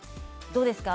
どうですか？